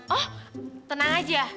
oh tenang aja